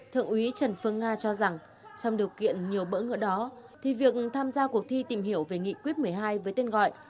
thượng úy trần phương nga cho rằng trong điều kiện nhiều bỡ ngỡ đó thì việc tham gia cuộc thi tìm hiểu về nghị quyết một mươi hai với tên gọi